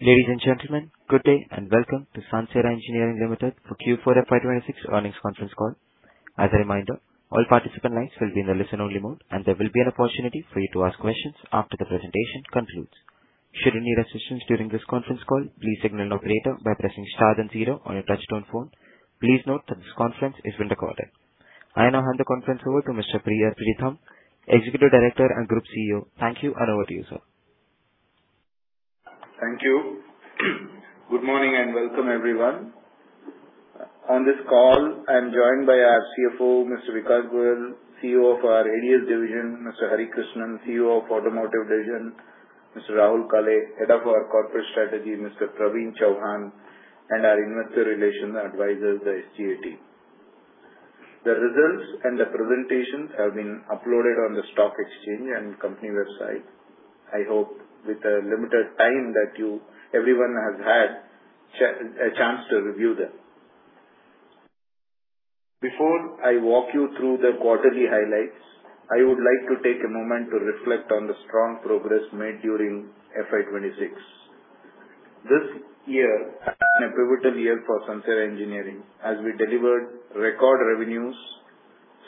Ladies and gentlemen, good day and welcome to Sansera Engineering Limited for Q4 FY 2026 earnings conference call. As a reminder, all participant lines will be in the listen only mode, and there will be an opportunity for you to ask questions after the presentation concludes. Should you need assistance during this conference call, please signal an operator by pressing star then zero on your touchtone phone. Please note that this conference is being recorded. I now hand the conference over to Mr. B. R. Preetham, Executive Director and Group CEO. Thank you, and over to you, sir. Thank you. Good morning and welcome, everyone. On this call, I'm joined by our CFO, Mr. Vikas Goel, CEO of our ADS division, Mr. Hari Krishnan, CEO of Automotive Division, Mr. Rahul Kale, Head of our Corporate Strategy, Mr. Praveen Chauhan, and our investor relations advisors, the SGA team. The results and the presentations have been uploaded on the stock exchange and company website. I hope with the limited time that everyone has had a chance to review them. Before I walk you through the quarterly highlights, I would like to take a moment to reflect on the strong progress made during FY 2026. This year has been a pivotal year for Sansera Engineering as we delivered record revenues,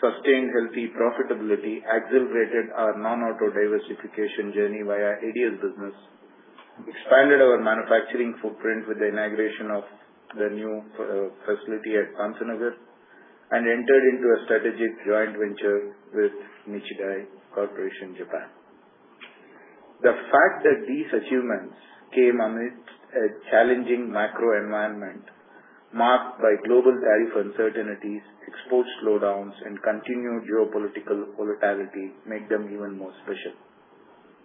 sustained healthy profitability, accelerated our non-auto diversification journey via ADS business, expanded our manufacturing footprint with the inauguration of the new facility at Pantnagar, and entered into a strategic joint venture with Nichidai Corporation, Japan. The fact that these achievements came amidst a challenging macro environment marked by global tariff uncertainties, export slowdowns, and continued geopolitical volatility make them even more special.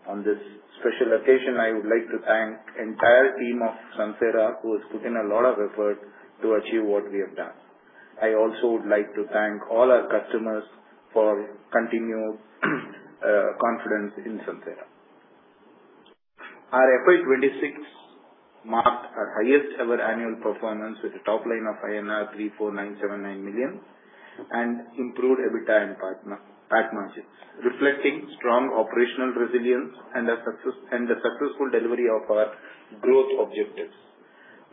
On this special occasion, I would like to thank entire team of Sansera who has put in a lot of effort to achieve what we have done. I also would like to thank all our customers for continued confidence in Sansera. Our FY 2026 marked our highest ever annual performance with a top line of INR 349.79 million and improved EBITDA and PAT margins, reflecting strong operational resilience and the successful delivery of our growth objectives.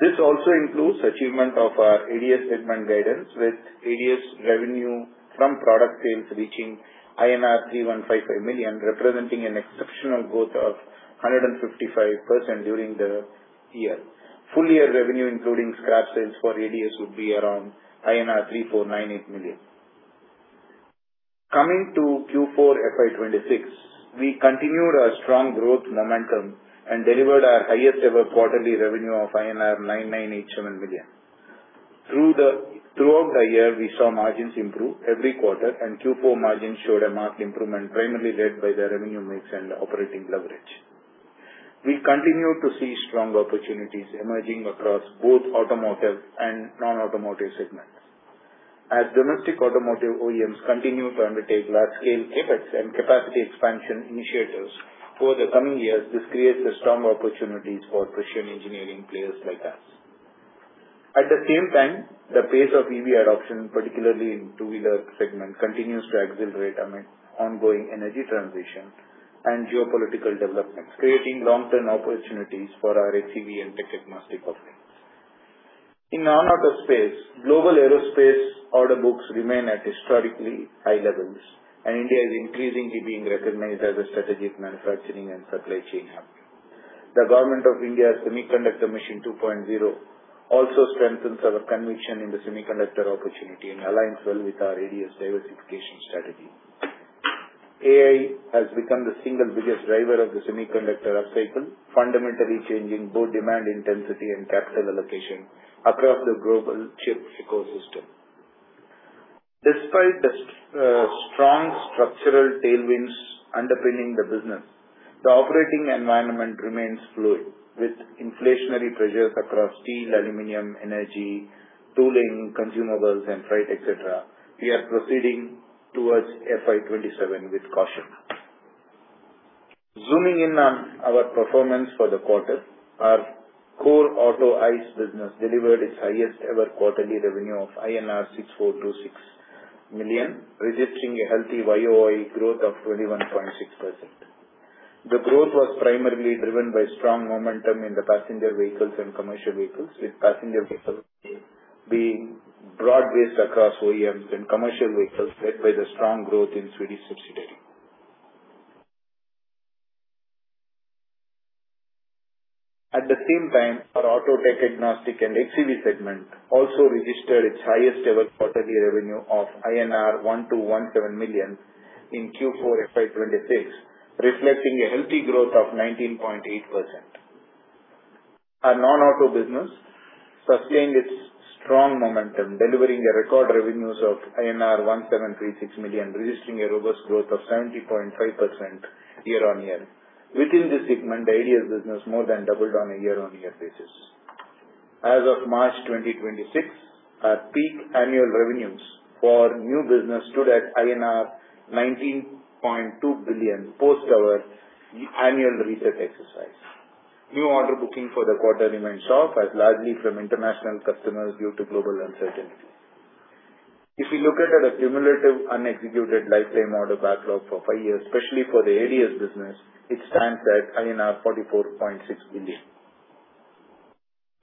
This also includes achievement of our ADS segment guidance, with ADS revenue from product sales reaching INR 315 million, representing an exceptional growth of 155% during the year. Full year revenue, including scrap sales for ADS, would be around INR 3,498 million. Coming to Q4 FY 2026, we continued our strong growth momentum and delivered our highest ever quarterly revenue of INR 9,987 million. Throughout the year, we saw margins improve every quarter, and Q4 margins showed a marked improvement, primarily led by the revenue mix and operating leverage. We continue to see strong opportunities emerging across both automotive and non-automotive segments. As domestic automotive OEMs continue to undertake large scale CapEx and capacity expansion initiatives over the coming years, this creates strong opportunities for precision engineering players like us. At the same time, the pace of EV adoption, particularly in two-wheeler segment, continues to accelerate amid ongoing energy transition and geopolitical developments, creating long-term opportunities for our xEV and tech agnostic offerings. In non-auto space, global aerospace order books remain at historically high levels, and India is increasingly being recognized as a strategic manufacturing and supply chain hub. The government of India's Semiconductor Mission 2.0 also strengthens our conviction in the semiconductor opportunity and aligns well with our ADS diversification strategy. AI has become the single biggest driver of the semiconductor upcycle, fundamentally changing both demand intensity and capital allocation across the global chip ecosystem. Despite the strong structural tailwinds underpinning the business, the operating environment remains fluid, with inflationary pressures across steel, aluminum, energy, tooling, consumables, and freight, et cetera. We are proceeding towards FY 2027 with caution. Zooming in on our performance for the quarter, our core auto ICE business delivered its highest ever quarterly revenue of INR 6,426 million, registering a healthy YoY growth of 21.6%. The growth was primarily driven by strong momentum in the passenger vehicles and commercial vehicles, with passenger vehicles being broad-based across OEMs and commercial vehicles led by the strong growth in Swedish subsidiary. At the same time, our auto tech agnostic and xEV segment also registered its highest ever quarterly revenue of INR 1,217 million in Q4 FY 2026, reflecting a healthy growth of 19.8%. Our non-auto business sustained its strong momentum, delivering a record revenues of INR 1,736 million, registering a robust growth of 70.5% year-on-year. Within this segment, the ADS business more than doubled on a year-on-year basis. As of March 2026, our peak annual revenues for new business stood at INR 19.2 billion post our annual reset exercise. New order booking for the quarter remained soft as largely from international customers due to global uncertainty. You look at the cumulative unexecuted lifetime order backlog for five years, especially for the ADS business, it stands at INR 44.6 billion.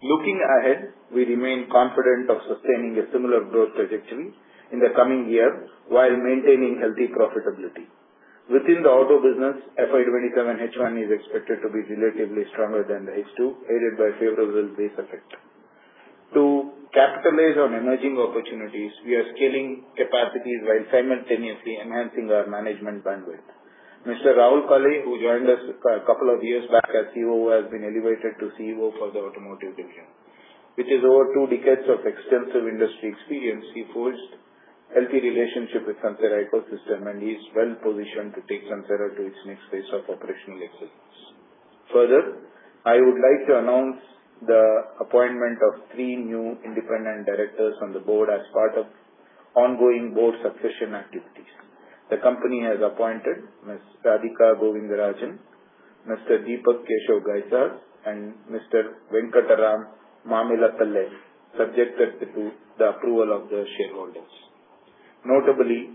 Looking ahead, we remain confident of sustaining a similar growth trajectory in the coming year while maintaining healthy profitability. Within the auto business, FY 2027 H1 is expected to be relatively stronger than the H2, aided by favorable base effect. To capitalize on emerging opportunities, we are scaling capacities while simultaneously enhancing our management bandwidth. Mr. Rahul Kale, who joined us a couple of years back as COO, has been elevated to CEO for the automotive division, with over two decades of extensive industry experience, he forged healthy relationship with Sansera ecosystem and he is well-positioned to take Sansera to its next phase of operational excellence. Further, I would like to announce the appointment of three new independent directors on the board as part of ongoing board succession activities. The company has appointed Ms. Radhika Govindarajan, Mr. Deepak Keshav Ghaisas, and Mr. Venkataram Mamillapalle, subject to the approval of the shareholders. Notably,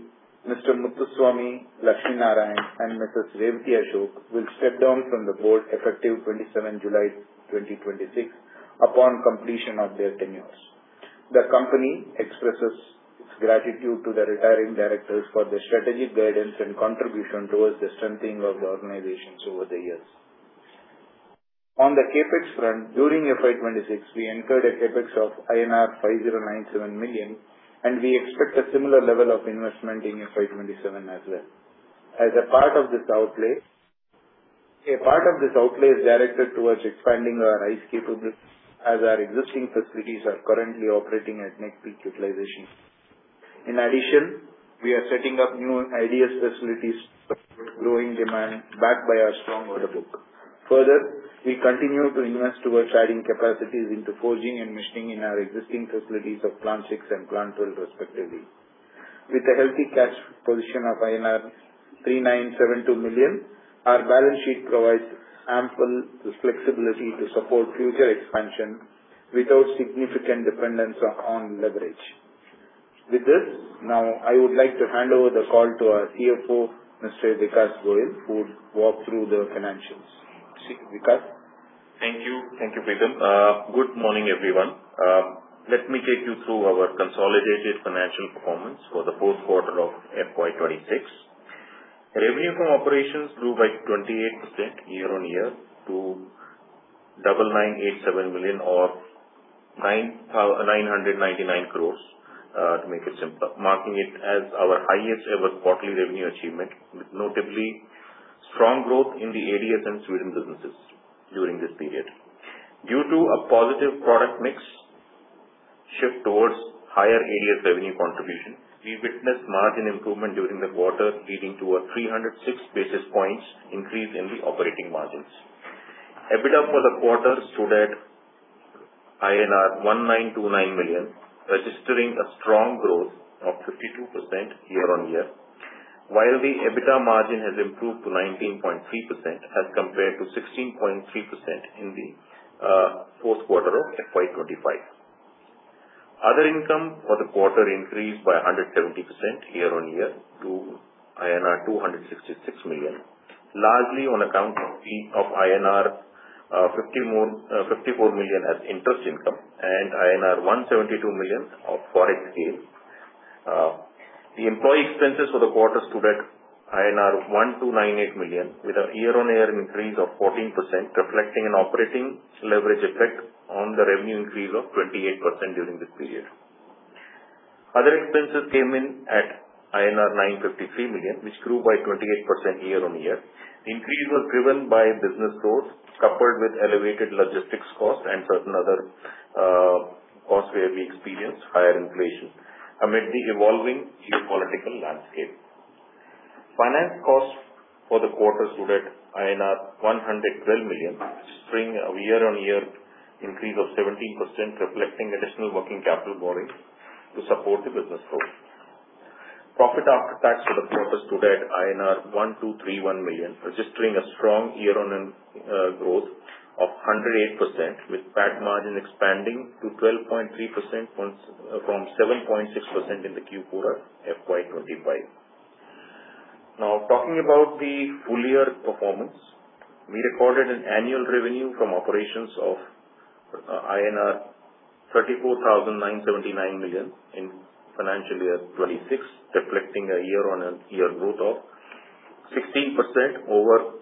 Mr. Muthuswami Lakshminarayan and Mrs. Revathy Ashok will step down from the board effective 27 July 2026, upon completion of their tenures. The company expresses its gratitude to the retiring directors for their strategic guidance and contribution towards the strengthening of the organizations over the years. On the CapEx front, during FY 2026, we incurred a CapEx of INR 5,097 million, and we expect a similar level of investment in FY 2027 as well. A part of this outlay is directed towards expanding our ICE capabilities as our existing facilities are currently operating at net peak utilization. In addition, we are setting up new ADS facilities growing demand backed by our strong order book. Further, we continue to invest towards adding capacities into forging and machining in our existing facilities of Plant 6 and Plant 12, respectively. With a healthy cash position of INR 3,972 million, our balance sheet provides ample flexibility to support future expansion without significant dependence on leverage. With this, now I would like to hand over the call to our CFO, Mr. Vikas Goel, who will walk through the financials. Vikas. Thank you, Preetham. Good morning, everyone. Let me take you through our consolidated financial performance for the fourth quarter of FY 2026. Revenue from operations grew by 28% year-on-year to 9,987 million or 999 crores, to make it simpler, marking it as our highest-ever quarterly revenue achievement, with notably strong growth in the ADS and Sweden businesses during this period. Due to a positive product mix shift towards higher ADS revenue contribution, we witnessed margin improvement during the quarter, leading to a 306 basis points increase in the operating margins. EBITDA for the quarter stood at INR 1,929 million, registering a strong growth of 52% year-on-year, while the EBITDA margin has improved to 19.3% as compared to 16.3% in the fourth quarter of FY 2025. Other income for the quarter increased by 170% year-on-year to INR 266 million, largely on account of 54 million as interest income and INR 172 million of Forex gain. The employee expenses for the quarter stood at INR 1,298 million with a year-on-year increase of 14%, reflecting an operating leverage effect on the revenue increase of 28% during this period. Other expenses came in at INR 953 million, which grew by 28% year-on-year. Increase was driven by business growth, coupled with elevated logistics costs and certain other costs where we experienced higher inflation amid the evolving geopolitical landscape. Finance costs for the quarter stood at INR 112 million, seeing a year-on-year increase of 17%, reflecting additional working capital borrowing to support the business growth. Profit after tax for the quarter stood at INR 1,231 million, registering a strong year-on-year growth of 108%, with PAT margin expanding to 12.3% from 7.6% in the Q4 of FY 2025. Now, talking about the full year performance, we recorded an annual revenue from operations of INR 34,979 million in financial year 2026, reflecting a year-on-year growth of 16% over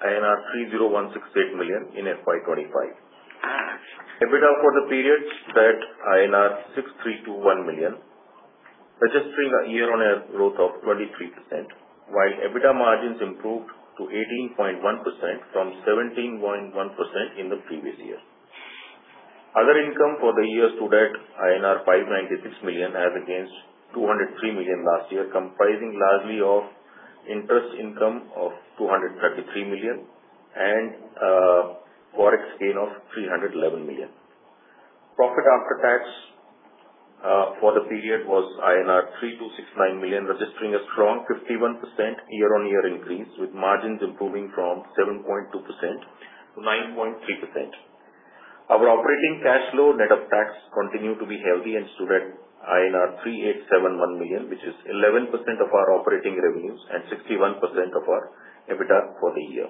INR 30,168 million in FY 2025. EBITDA for the period stood at INR 6,321 million, registering a year-on-year growth of 23%, while EBITDA margins improved to 18.1% from 17.1% in the previous year. Other income for the year stood at INR 596 million as against 203 million last year, comprising largely of interest income of 233 million and a Forex gain of 311 million. Profit after tax for the period was INR 3,269 million, registering a strong 51% year-on-year increase, with margins improving from 7.2% to 9.3%. Our operating cash flow net of tax continue to be healthy and stood at INR 387.1 million, which is 11% of our operating revenues and 61% of our EBITDA for the year.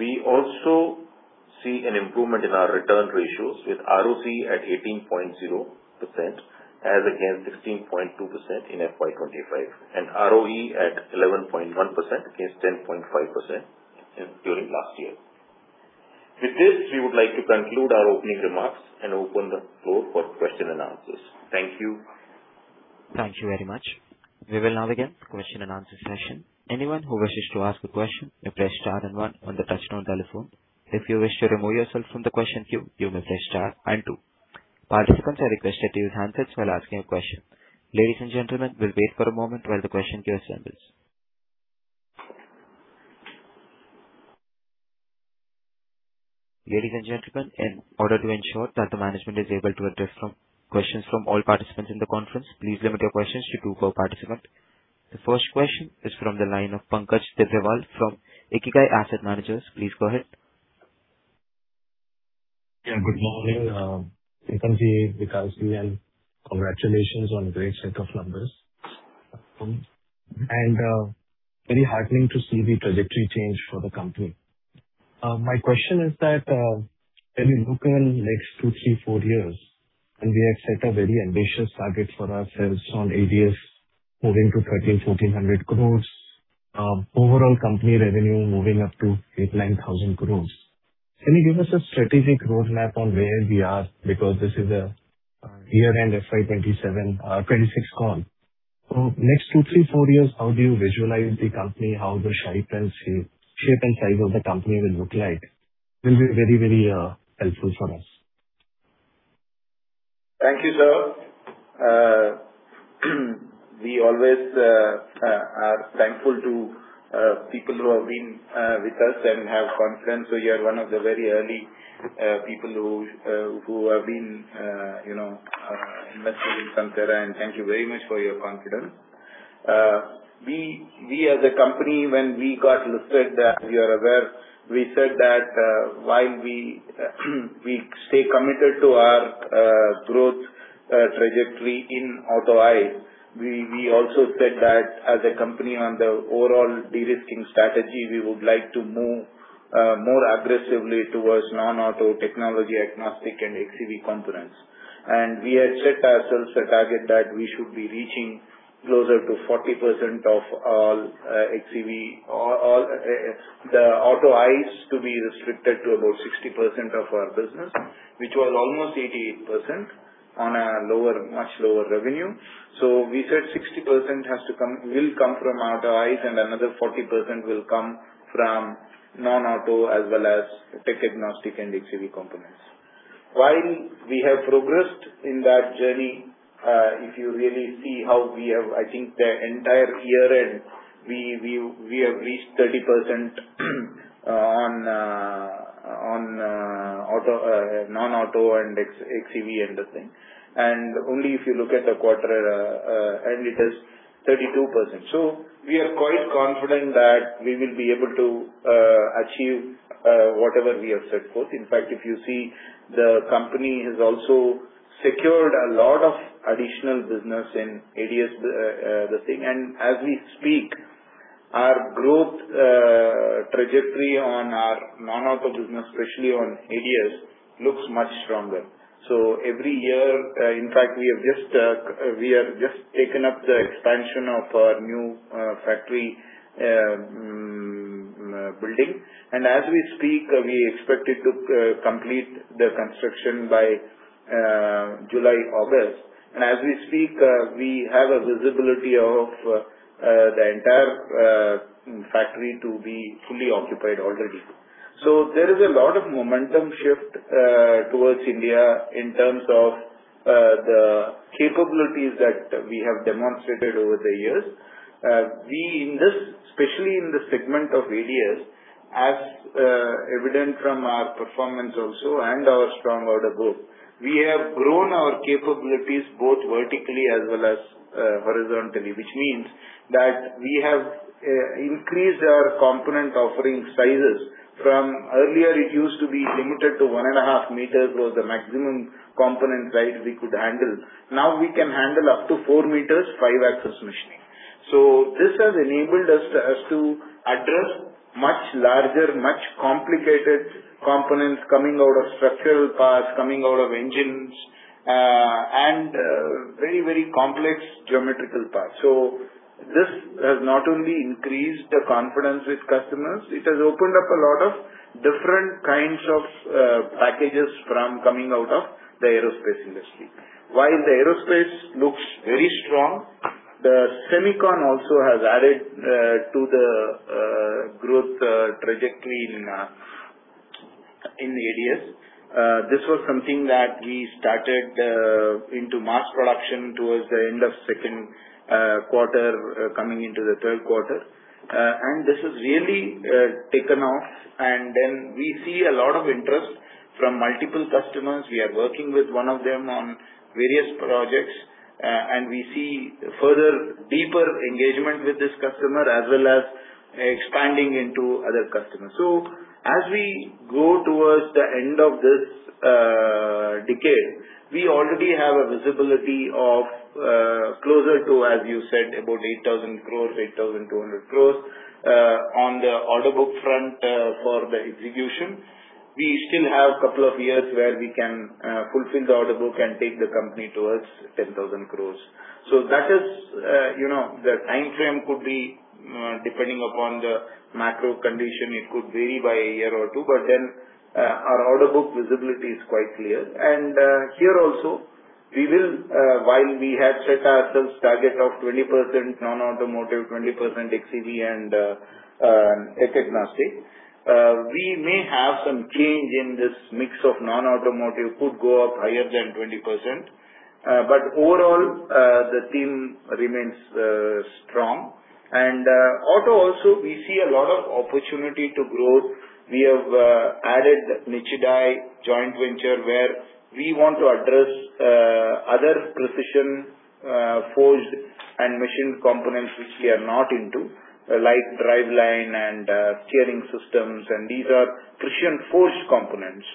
We also see an improvement in our return ratios with ROCE at 18.0% as against 16.2% in FY 2025, and ROE at 11.1% against 10.5% during last year. With this, we would like to conclude our opening remarks and open the floor for question and answers. Thank you. Thank you very much. We will now begin the question and answer session. Anyone who wishes to ask a question may press star and one on the touchtone telephone. If you wish to remove yourself from the question queue, you may press star and two. Participants are requested to use handsets while asking a question. Ladies and gentlemen, we will wait for a moment while the question queue assembles. Ladies and gentlemen, in order to ensure that the management is able to address questions from all participants in the conference, please limit your questions to two per participant. The first question is from the line of Pankaj Tibrewal from Ikigai Asset Managers. Please go ahead. Good morning, Preetham, Hari, Vikas, Rahul. Congratulations on a great set of numbers. Very heartening to see the trajectory change for the company. My question is that when you look in next two, three, four years, we have set a very ambitious target for ourselves on ADS moving to 13,000 crores-14,000 crores, overall company revenue moving up to 8,000 crores-9,000 crores. Can you give us a strategic roadmap on where we are because this is a year-end FY 2026 call. Next two, three, four years, how do you visualize the company? How the shape and size of the company will look like will be very helpful for us. Thank you, sir. We always are thankful to people who have been with us and have confidence. You are one of the very early people who have been investing in Sansera, and thank you very much for your confidence. We as a company, when we got listed, you are aware, we said that while we stay committed to our growth trajectory in automotive ICE, we also said that as a company on the overall de-risking strategy, we would like to move more aggressively towards non-auto technology agnostic and xEV components. We had set ourselves a target that we should be reaching closer to 40% of all xEV, or the auto-ICE to be restricted to about 60% of our business, which was almost 88% on a much lower revenue. We said 60% will come from auto-ICE and another 40% will come from non-auto as well as tech agnostic and xEV components. While we have progressed in that journey, if you really see how we have, I think the entire year end we have reached 30% on non-auto and xEV and the thing. Only if you look at the quarter end, it is 32%. We are quite confident that we will be able to achieve whatever we have set forth. In fact, if you see, the company has also secured a lot of additional business in ADS, the thing. As we speak, our growth trajectory on our non-auto business, especially on ADS, looks much stronger. Every year, in fact, we have just taken up the expansion of our new factory building. As we speak, we expect it to complete the construction by July, August. As we speak, we have a visibility of the entire factory to be fully occupied already. There is a lot of momentum shift towards India in terms of the capabilities that we have demonstrated over the years. We, especially in the segment of ADS, as evident from our performance also and our strong order book, we have grown our capabilities both vertically as well as horizontally. Which means that we have increased our component offering sizes. From earlier it used to be limited to 1.5 meters was the maximum component size we could handle. Now we can handle up to 4 m five-axis machining. This has enabled us to address much larger, much complicated components coming out of structural parts, coming out of engines, and very complex geometrical parts. This has not only increased the confidence with customers, it has opened up a lot of different kinds of packages from coming out of the aerospace industry. While the aerospace looks very strong, the semicon also has added to the growth trajectory in ADS. This was something that we started into mass production towards the end of second quarter, coming into the third quarter. This has really taken off. Then we see a lot of interest from multiple customers. We are working with one of them on various projects. We see further deeper engagement with this customer as well as. Expanding into other customers. As we go towards the end of this decade, we already have a visibility of closer to, as you said, about 8,000 crores, 8,200 crores, on the order book front for the execution. We still have a couple of years where we can fulfill the order book and take the company towards 10,000 crores. The timeframe could be depending upon the macro condition, it could vary by a year or two, but then our order book visibility is quite clear. Here also, while we have set ourselves a target of 20% non-automotive, 20% xEV and tech agnostic, we may have some change in this mix of non-automotive could go up higher than 20%. Overall, the theme remains strong. Auto also, we see a lot of opportunity to grow. We have added Nichidai joint venture where we want to address other precision forged and machined components which we are not into, like driveline and steering systems. These are precision forged components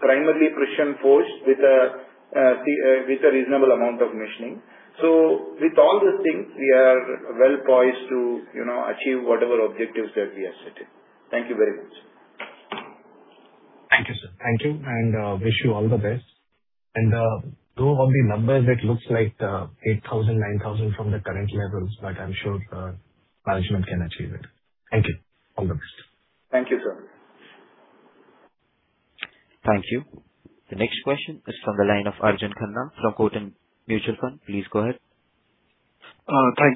primarily precision forged with a reasonable amount of machining. With all these things, we are well poised to achieve whatever objectives that we have set. Thank you very much. Thank you, sir. Thank you and wish you all the best. Though on the numbers, it looks like 8,000 crore-9,000 crore from the current levels, but I'm sure management can achieve it. Thank you. All the best. Thank you, sir. Thank you. The next question is from the line of Arjun Khanna from Kotak Mutual Fund. Please go ahead. Thank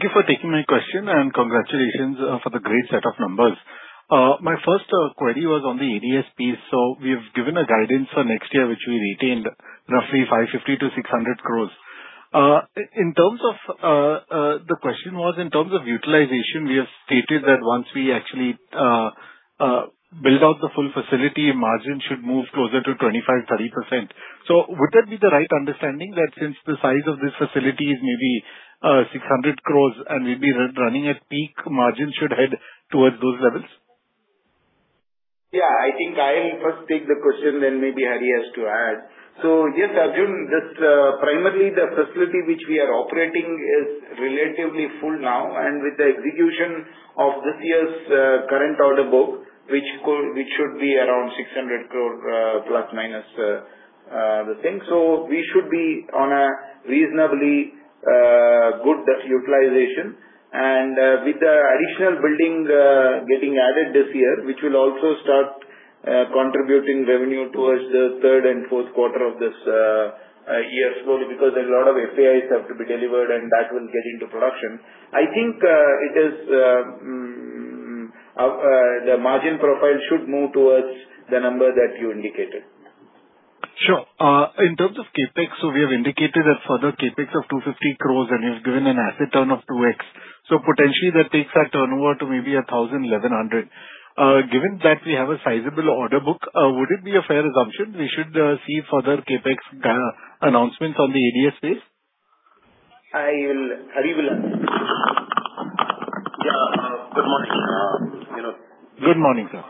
you for taking my question. Congratulations for the great set of numbers. My first query was on the ADS piece. We have given a guidance for next year, which we retained roughly 550 crores-600 crores. The question was, in terms of utilization, we have stated that once we actually build out the full facility, margin should move closer to 25%-30%. Would that be the right understanding? That since the size of this facility is maybe 600 crores and we'll be running at peak, margin should head towards those levels? I think I'll first take the question, then maybe Hari has to add. Yes, Arjun, primarily the facility which we are operating is relatively full now, and with the execution of this year's current order book, which should be around 600 crore, plus, minus the thing. We should be on a reasonably good utilization. With the additional building getting added this year, which will also start contributing revenue towards the third and fourth quarter of this year's growth, because a lot of FAIs have to be delivered and that will get into production. I think the margin profile should move towards the number that you indicated. Sure. In terms of CapEx, we have indicated that further CapEx of 250 crore and you've given an asset turn of 2x. Potentially that takes our turnover to maybe 1,000 crore-1,100 crore. Given that we have a sizable order book, would it be a fair assumption we should see further CapEx announcements on the ADS space? Hari will answer. Yeah. Good morning. Good morning, sir.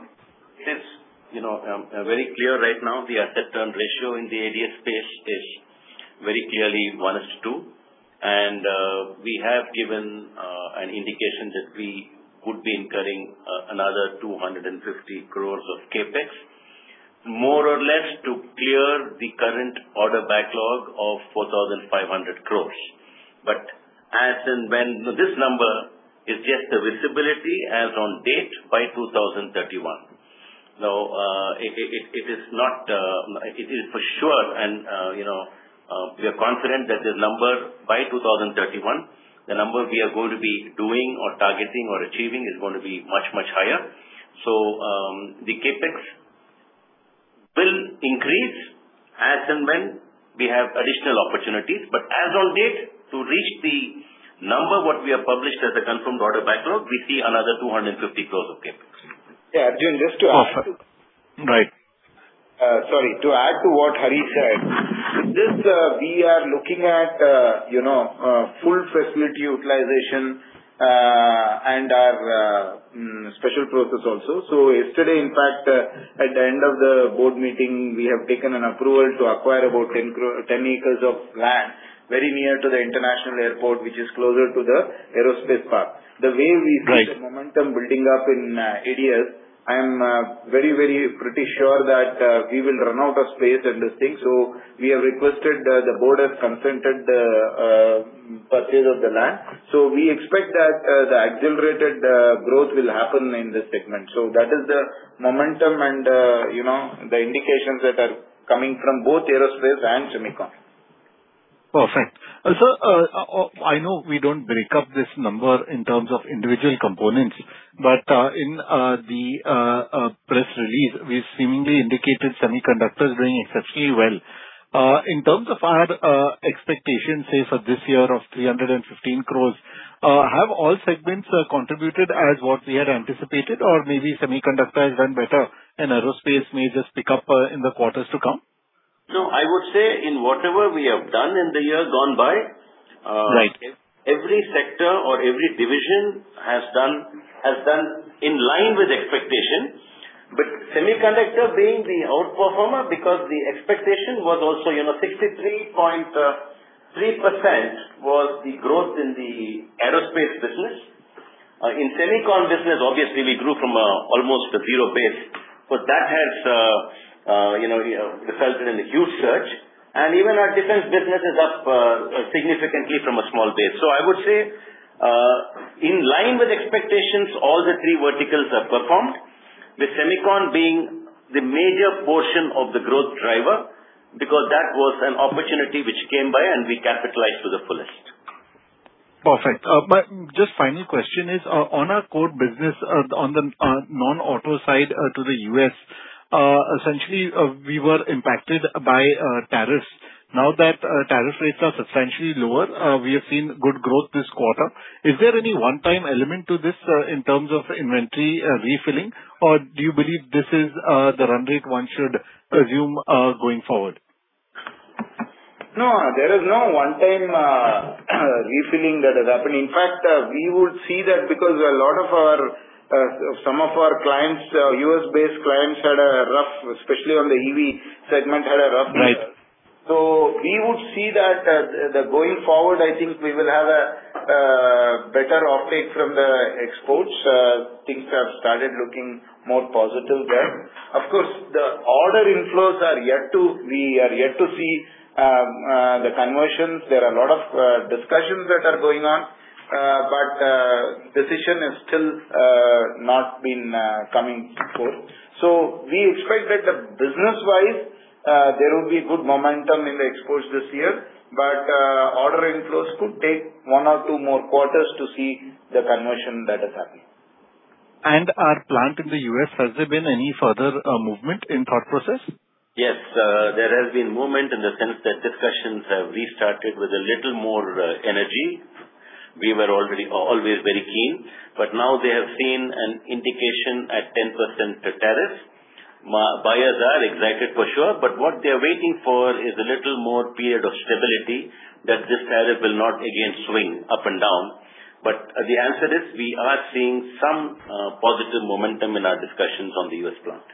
Yes. Very clear right now, the asset turn ratio in the ADS space is very clearly 1:2. We have given an indication that we could be incurring another 250 crores of CapEx, more or less to clear the current order backlog of 4,500 crores. This number is just the visibility as on date by 2031. It is for sure and we are confident that the number by 2031, the number we are going to be doing or targeting or achieving is going to be much, much higher. The CapEx will increase as and when we have additional opportunities, but as on date, to reach the number what we have published as a confirmed order backlog, we see another 250 crores of CapEx. Yeah, Arjun, just to add. Right. Sorry. To add to what Hari said, we are looking at full facility utilization, and our special process also. Yesterday, in fact, at the end of the board meeting, we have taken an approval to acquire about 10 acres of land very near to the international airport, which is closer to the aerospace park. Right The way we see the momentum building up in ADS, I am very pretty sure that we will run out of space and these things. We have requested, the board has consented the purchase of the land. We expect that the accelerated growth will happen in this segment. That is the momentum and the indications that are coming from both aerospace and semiconductor. Perfect. Sir, I know we don't break up this number in terms of individual components, but in the press release, we seemingly indicated semiconductors doing exceptionally well. In terms of our expectation, say for this year of 315 crores, have all segments contributed as what we had anticipated or maybe semiconductor has done better and aerospace may just pick up in the quarters to come? No, I would say in whatever we have done in the year gone by. Right Every sector or every division has done in line with expectations, Semiconductor being the outperformer because the expectation was also 63.3% was the growth in the aerospace business. In Semicon business, obviously we grew from almost a zero base, that has resulted in a huge surge. Even our Defence business is up significantly from a small base. I would say, in line with expectations, all the three verticals have performed, with Semicon being the major portion of the growth driver, because that was an opportunity which came by and we capitalized to the fullest. Perfect. Just final question is, on our core business on the non-auto side to the U.S., essentially, we were impacted by tariffs. Now that tariff rates are substantially lower, we have seen good growth this quarter. Is there any one-time element to this in terms of inventory refilling, or do you believe this is the run rate one should assume going forward? No, there is no one time refilling that has happened. In fact, we would see that because some of our U.S.-based clients, especially on the EV segment, had a rough year. Right. We would see that going forward, I think we will have a better offtake from the exports. Things have started looking more positive there. Of course, the order inflows, we are yet to see the conversions. There are a lot of discussions that are going on, but decision has still not been coming forth. We expect that business-wise, there will be good momentum in the exports this year, but order inflows could take one or two more quarters to see the conversion that has happened. Our plant in the U.S., has there been any further movement in thought process? Yes, there has been movement in the sense that discussions have restarted with a little more energy. We were always very keen. Now they have seen an indication at 10% tariffs. Buyers are excited for sure, but what they are waiting for is a little more period of stability, that this tariff will not again swing up and down. The answer is, we are seeing some positive momentum in our discussions on the U.S. plant.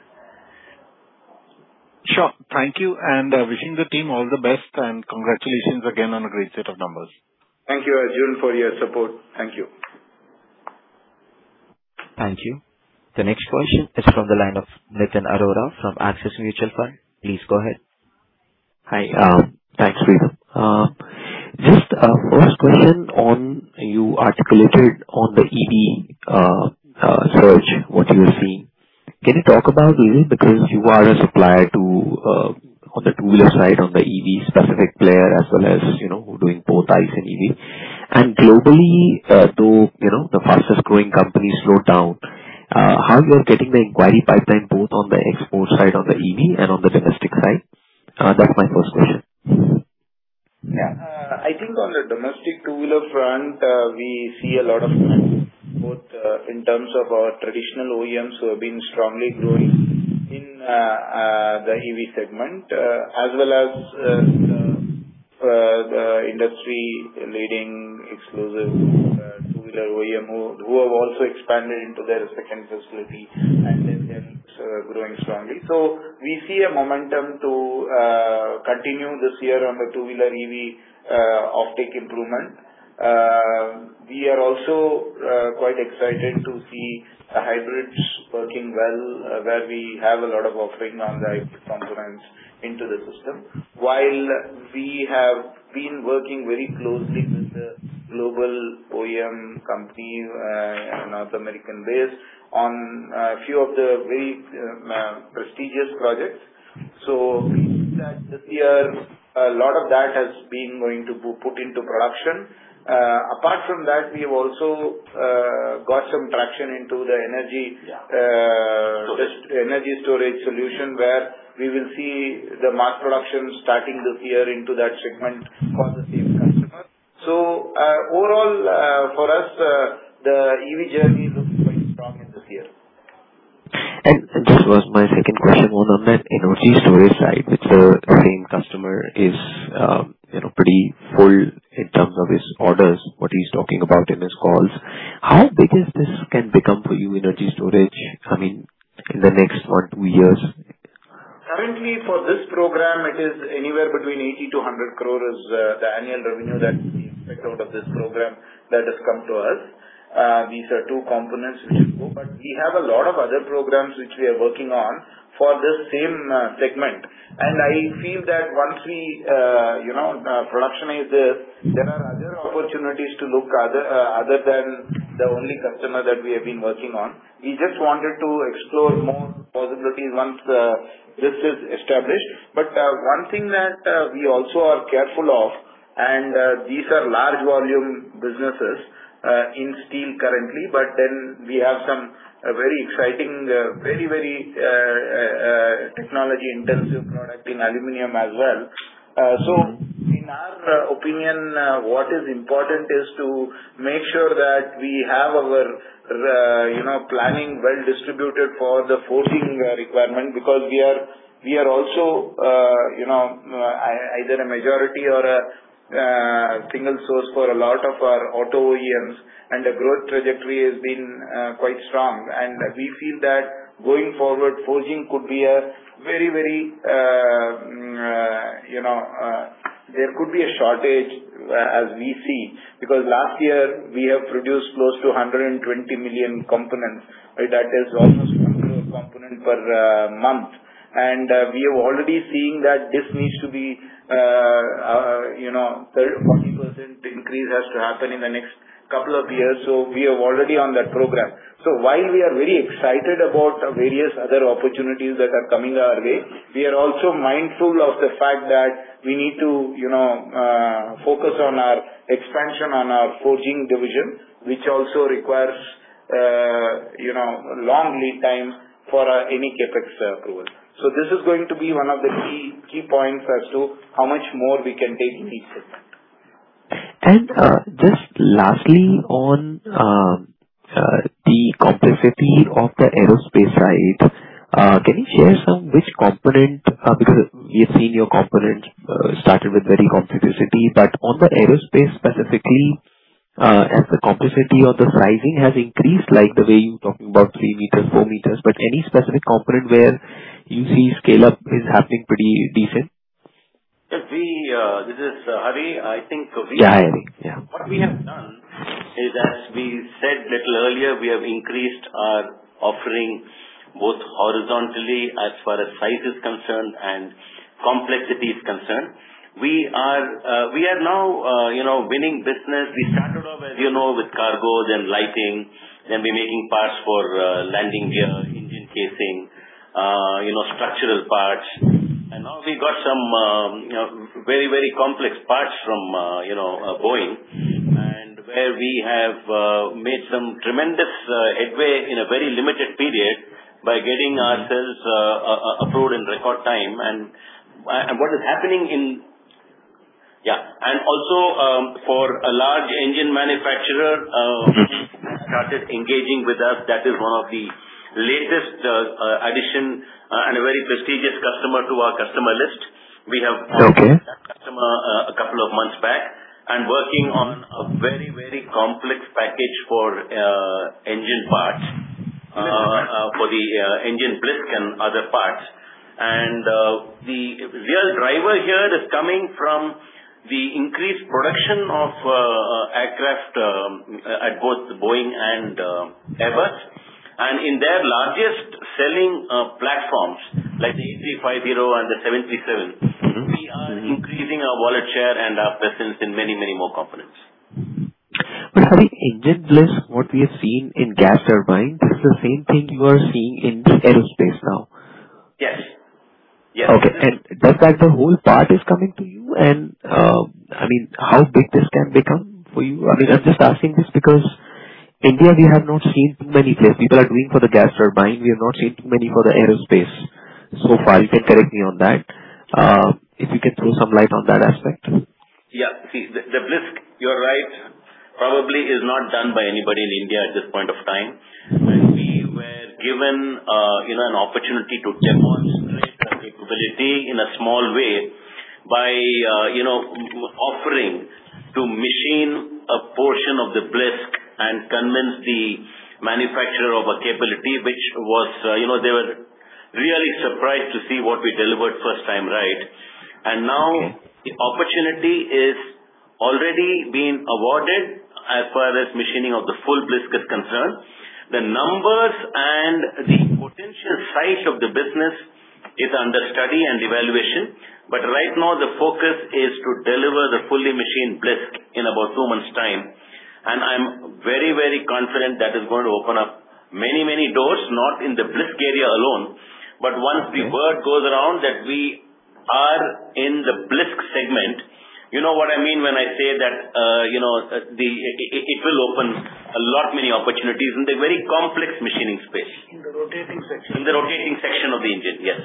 Sure. Thank you. Wishing the team all the best, and congratulations again on a great set of numbers. Thank you, Arjun, for your support. Thank you. Thank you. The next question is from the line of Nitin Arora from Axis Mutual Fund. Please go ahead. Hi. Thanks, Sridhar. Just a first question on, you articulated on the EV surge, what you are seeing. Can you talk about a little? You are a supplier on the two-wheeler side, on the EV specific player, as well as doing both ICE and EV. Globally, though the fastest growing companies slowed down, how you are getting the inquiry pipeline both on the export side on the EV and on the domestic side? That's my first question. Yeah. I think on the domestic two-wheeler front, we see a lot of demand, both in terms of our traditional OEMs who have been strongly growing in the EV segment as well as the industry-leading exclusive two-wheeler OEM who have also expanded into their second facility and then growing strongly. We see a momentum to continue this year on the two-wheeler EV offtake improvement. We are also quite excited to see hybrids working well where we have a lot of offering on the hybrid components into the system. We have been working very closely with the global OEM companies and North American base on a few of the very prestigious projects. We see that this year a lot of that has been going to put into production. Apart from that, we have also got some traction into the energy storage solution where we will see the mass production starting this year into that segment for the same customer. Overall, for us, the EV journey is looking quite strong in this year. This was my second question on that energy storage side, which the same customer is pretty full in terms of his orders, what he's talking about in his calls. How big is this can become for you, energy storage, in the next one, two years? Currently for this program, it is anywhere between 80 crore-100 crore is the annual revenue that we expect out of this program that has come to us. These are two components which go, but we have a lot of other programs which we are working on for this same segment. I feel that once we productionize this, there are other opportunities to look other than the only customer that we have been working on. We just wanted to explore more possibilities once this is established. One thing that we also are careful of, and these are large volume businesses in steel currently, but then we have some very exciting, very technology-intensive product in aluminum as well. In our opinion, what is important is to make sure that we have our planning well distributed for the forging requirement, because we are also either a majority or a single source for a lot of our auto OEMs, and the growth trajectory has been quite strong. We feel that going forward, forging could be a shortage as we see, because last year we have produced close to 120 million components. That is almost 100 components per month. We are already seeing that this needs to be a 30%-40% increase has to happen in the next couple of years. We are already on that program. While we are very excited about the various other opportunities that are coming our way, we are also mindful of the fact that we need to focus on our expansion on our forging division, which also requires long lead times for any CapEx approval. This is going to be one of the key points as to how much more we can take in these sets. Just lastly on the complexity of the aerospace side, can you share some which component, because we have seen your components started with very complexity. On the aerospace specifically, as the complexity of the sizing has increased, like the way you're talking about 3 m, 4 m, but any specific component where you see scale-up is happening pretty decent? This is Hari. I think. Yeah, Hari. Yeah. What we have done is, as we said little earlier, we have increased our offerings both horizontally as far as size is concerned and complexity is concerned. We are now winning business. We started off, as you know, with cargos and lighting, then we're making parts for landing gear, engine casing, structural parts. Now we got some very complex parts from Boeing, and where we have made some tremendous headway in a very limited period by getting ourselves approved in record time. Also, for a large engine manufacturer, started engaging with us. That is one of the latest addition and a very prestigious customer to our customer list. Okay. We have worked with that customer a couple of months back and working on a very complex package for engine parts, for the engine blisk and other parts. The real driver here is coming from the increased production of aircraft at both Boeing and Airbus. In their largest selling platforms, like the A350 and the 737, we are increasing our wallet share and our presence in many more components. Hari, engine blisk, what we have seen in gas turbines, this is the same thing you are seeing in the aerospace now. Yes. Okay. Does that the whole part is coming to you? How big this can become for you? I'm just asking this because India, we have not seen too many players. People are doing for the gas turbine. We have not seen too many for the aerospace so far. You can correct me on that. If you can throw some light on that aspect. Yeah. See, the blisk, you're right, probably is not done by anybody in India at this point of time. We were given an opportunity to demonstrate our capability in a small way by offering to machine a portion of the blisk and convince the manufacturer of a capability, which they were really surprised to see what we delivered first time right. Okay. Now the opportunity is already being awarded as far as machining of the full blisk is concerned. The numbers and the potential size of the business is under study and evaluation. Right now the focus is to deliver the fully machined blisk in about two months' time. I'm very confident that is going to open up many doors, not in the blisk area alone. Once the word goes around that we are in the blisk segment, you know what I mean when I say that it will open a lot many opportunities in the very complex machining space. In the rotating section. In the rotating section of the engine, yes.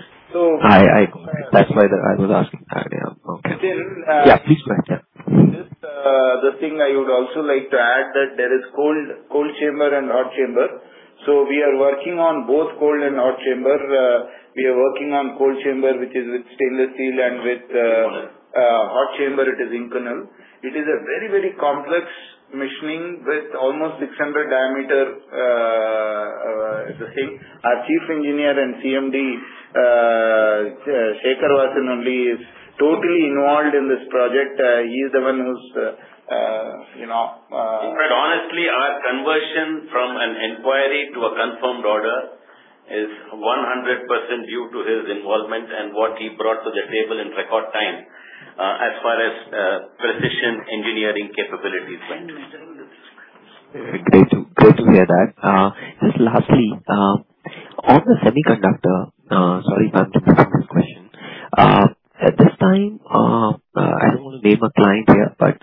That's why I was asking that. Yeah. Okay. Sir. Yeah, please go ahead. Just the thing I would also like to add that there is cold chamber and hot chamber. We are working on both cold and hot chamber. We are working on cold chamber, which is with stainless steel. Inconel hot chamber, it is Inconel. It is a very complex machining with almost 600 diameter. Our chief engineer and CMD, Sekhar Vasan, only is totally involved in this project. He is the one. Honestly, our conversion from an inquiry to a confirmed order is 100% due to his involvement and what he brought to the table in record time, as far as precision engineering capabilities went. Great to hear that. Just lastly, on the semiconductor, sorry if I'm jumping from this question. At this time, I don't want to name a client here, but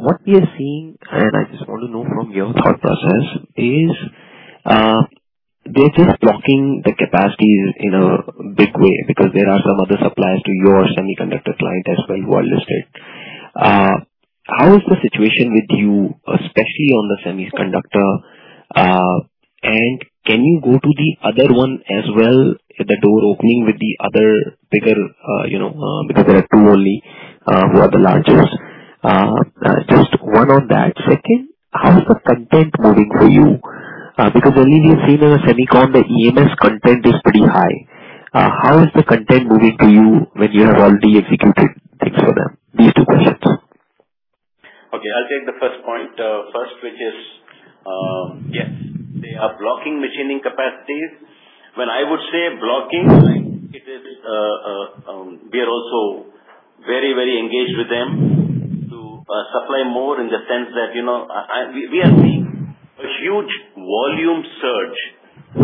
what we are seeing, and I just want to know from your thought process, is. They're just blocking the capacities in a big way because there are some other suppliers to your semiconductor client as well who are listed. How is the situation with you, especially on the semiconductor? Can you go to the other one as well, the door opening with the other bigger, because there are two only who are the largest. Just one on that. Second, how is the content moving for you? Earlier we have seen in the Semicon, the EMS content is pretty high. How is the content moving to you when you have already executed? Thanks for these two questions. Okay, I'll take the first point. First, which is, yes, they are blocking machining capacities. When I would say blocking, we are also very engaged with them to supply more in the sense that we are seeing a huge volume surge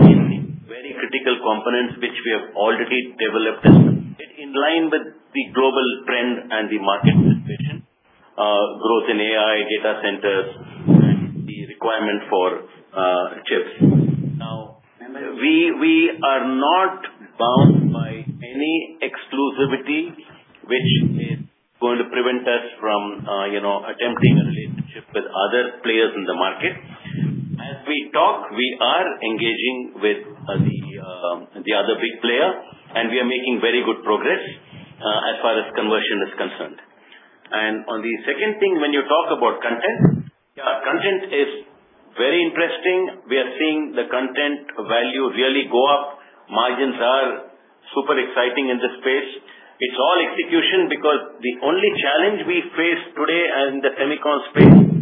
in the very critical components which we have already developed and in line with the global trend and the market expectation, growth in AI data centers, and the requirement for chips. We are not bound by any exclusivity which is going to prevent us from attempting a relationship with other players in the market. As we talk, we are engaging with the other big player, and we are making very good progress as far as conversion is concerned. On the second thing, when you talk about content. Content is very interesting. We are seeing the content value really go up. Margins are super exciting in this space. It's all execution because the only challenge we face today in the semicon space is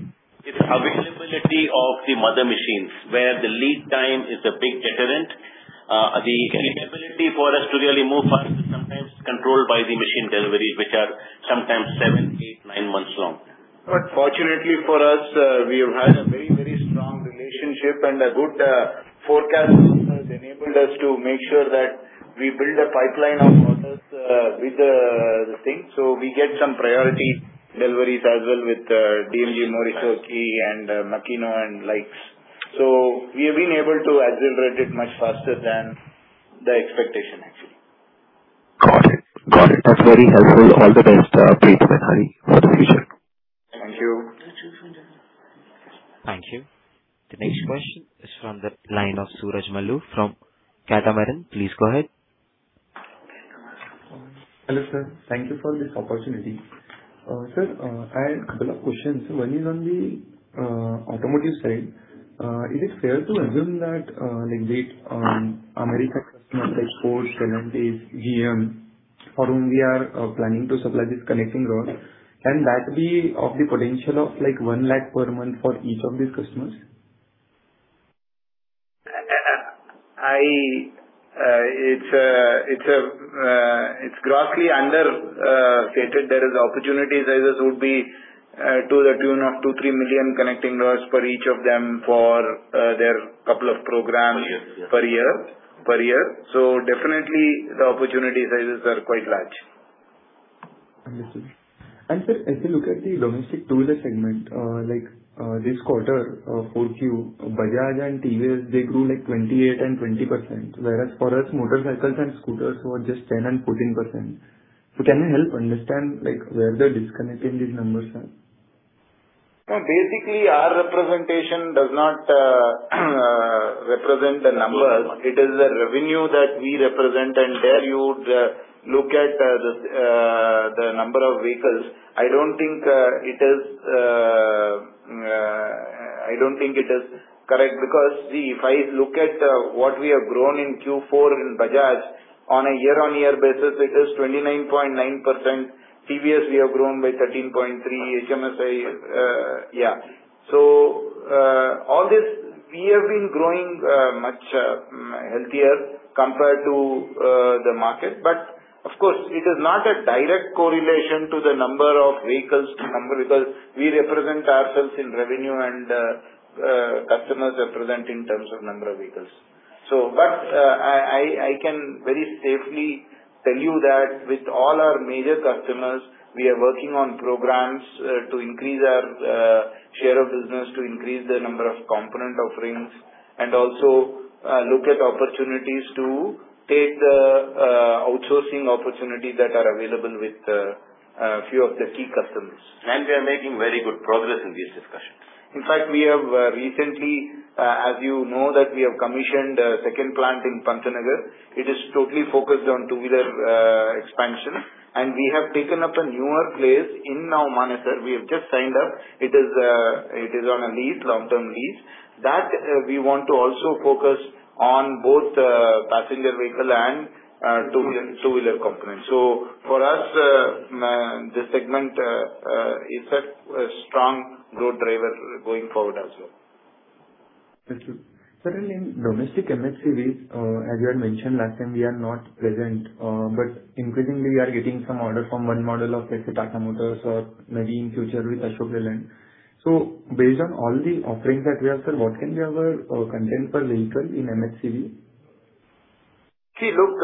availability of the mother machines, where the lead time is a big deterrent. The ability for us to really move fast is sometimes controlled by the machine deliveries, which are sometimes seven, eight, nine months long. Fortunately for us, we have had a very strong relationship and a good forecast has enabled us to make sure that we build a pipeline of mothers with the thing. We get some priority deliveries as well with DMG Mori Seiki and Makino and likes. We have been able to accelerate it much faster than the expectation, actually. Got it. That's very helpful. All the best, Preetham and Hari, for the future. Thank you. Thank you. The next question is from the line of Suraj Malu from Catamaran. Please go ahead. Hello, sir. Thank you for this opportunity. Sir, I had a couple of questions. One is on the automotive side. Is it fair to assume that Latin America customers like Ford, Stellantis, GM, for whom we are planning to supply this connecting rod, can that be of the potential of 1 lakh per month for each of these customers? It's grossly understated. There is opportunity sizes would be to the tune of 2 million-3 million connecting rods per each of them for their couple of programs. Per year. per year. Definitely the opportunity sizes are quite large. Understood. Sir, as you look at the domestic two-wheeler segment, like this quarter 4Q, Bajaj and TVS, they grew 28% and 20%. Whereas for us, motorcycles and scooters were just 10% and 14%. Can you help understand where the disconnect in these numbers are? No, basically, our representation does not represent the numbers. It is the revenue that we represent, and there you would look at the number of vehicles. I don't think it is correct because, see, if I look at what we have grown in Q4 in Bajaj on a year-on-year basis, it is 29.9%. TVS we have grown by 13.3%. HMSI, yeah. All this, we have been growing much healthier compared to the market. Of course, it is not a direct correlation to the number of vehicles to number because we represent ourselves in revenue and customers represent in terms of number of vehicles. I can very safely tell you that with all our major customers, we are working on programs to increase our share of business, to increase the number of component offerings, and also look at opportunities to take the outsourcing opportunities that are available with a few of the key customers. We are making very good progress in these discussions. In fact, we have recently, as you know that we have commissioned a second plant in Pantnagar. It is totally focused on two-wheeler expansion, and we have taken up a newer place in Manesar. We have just signed up. It is on a long-term lease. We want to also focus on both passenger vehicle and two-wheeler components. For us, this segment is a strong growth driver going forward as well. Thank you. Sir, in domestic MHCVs, as you had mentioned last time, we are not present. Increasingly we are getting some order from one model of, let's say, Tata Motors or maybe in future with Ashok Leyland. Based on all the offerings that we have, sir, what can be our content per vehicle in MHCVs? See, look,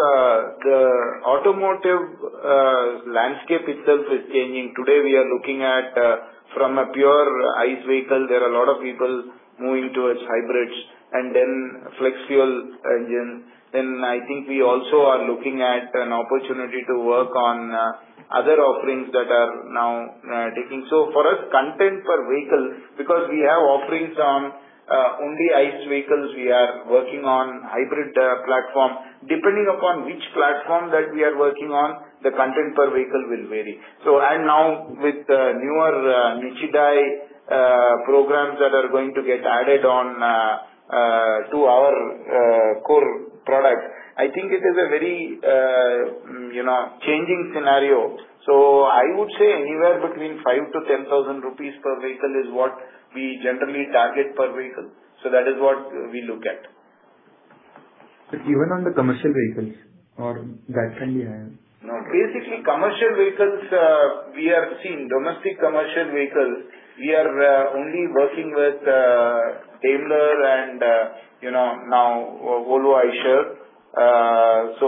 the automotive landscape itself is changing. Today, we are looking at from a pure ICE vehicle, there are a lot of people moving towards hybrids and then flex fuel engine. I think we also are looking at an opportunity to work on other offerings that are now taking. For us, content per vehicle, because we have offerings on only ICE vehicles, we are working on hybrid platform. Depending upon which platform that we are working on, the content per vehicle will vary. Now with newer Nichidai programs that are going to get added on to our core product, I think it is a very changing scenario. I would say anywhere between 5,000-10,000 rupees per vehicle is what we generally target per vehicle. That is what we look at. Even on the commercial vehicles or that can be higher? No. Commercial vehicles, we are seeing domestic commercial vehicles. We are only working with Daimler and now Volvo Eicher.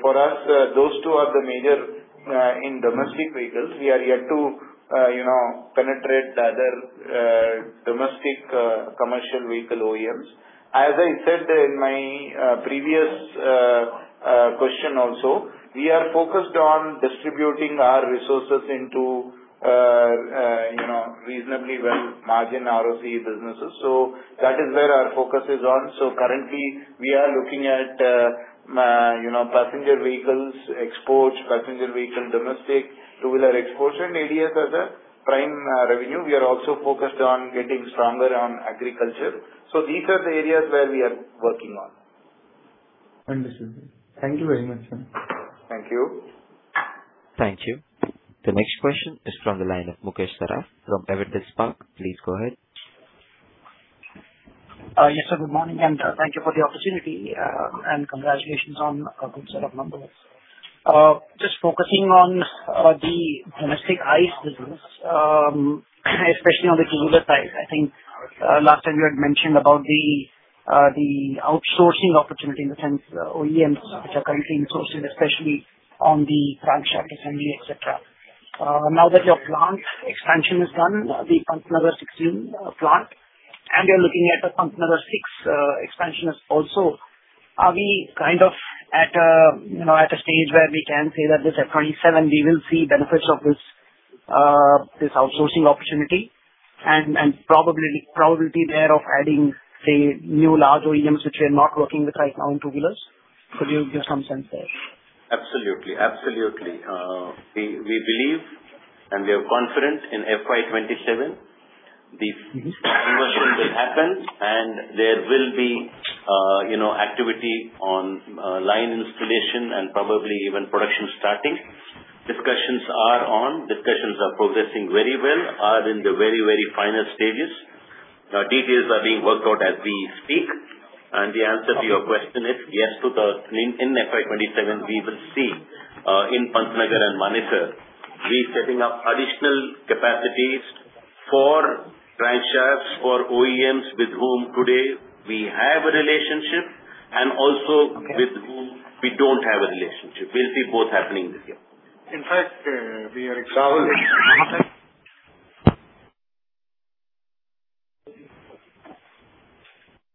For us, those two are the major in domestic vehicles. We are yet to penetrate the other domestic commercial vehicle OEMs. As I said in my previous question also, we are focused on distributing our resources into reasonably well margin ROC businesses. That is where our focus is on. Currently, we are looking at passenger vehicles exports, passenger vehicle domestic, two-wheeler exports and ADS are the prime revenue. We are also focused on getting stronger on agriculture. These are the areas where we are working on. Understood, sir. Thank you very much, sir. Thank you. Thank you. The next question is from the line of Mukesh Saraf from Avendus Spark. Please go ahead. Yes, sir. Good morning, and thank you for the opportunity, and congratulations on a good set of numbers. Just focusing on the domestic ICE business, especially on the two-wheeler side, I think last time you had mentioned about the outsourcing opportunity in the sense OEMs which are currently in sourcing, especially on the drive shaft assembly, et cetera. Now that your plant expansion is done, the Pantnagar 16 plant, and you're looking at the Pantnagar 6 expansion also, are we at a stage where we can say that this FY 2027, we will see benefits of this outsourcing opportunity and probability there of adding, say, new large OEMs which we're not working with right now in two-wheelers? Could you give some sense there? Absolutely. We believe and we are confident in FY 2027 the conversion will happen and there will be activity on line installation and probably even production starting. Discussions are on, discussions are progressing very well, are in the very final stages. Details are being worked out as we speak, the answer to your question is yes, in FY 2027, we will see in Pantnagar and Manesar, we setting up additional capacities for drive shafts for OEMs with whom today we have a relationship and also with whom we don't have a relationship. We'll see both happening this year. In fact, we are- Rahul.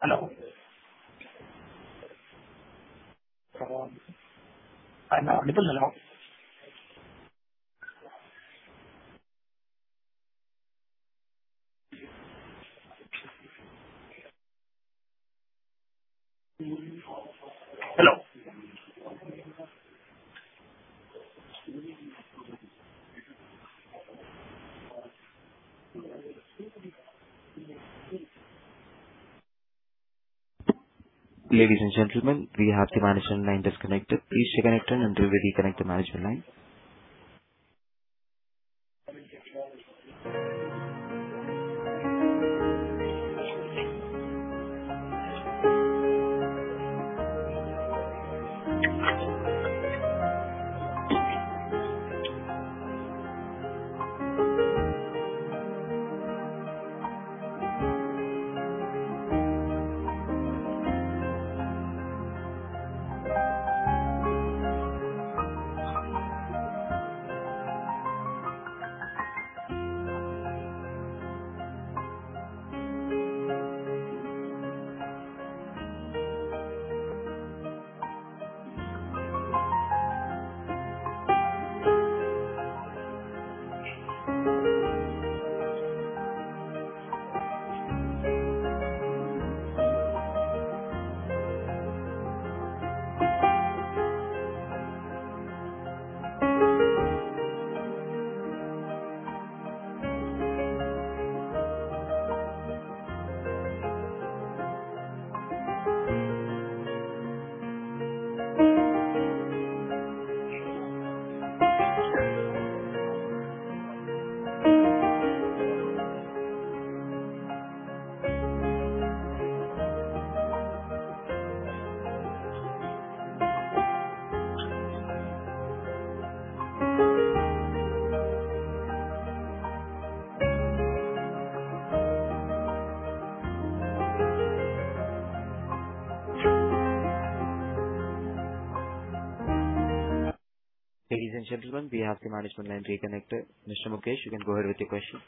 Hello? Rahul. I'm available now. Hello? Mr. Mukesh, you can go ahead with your question.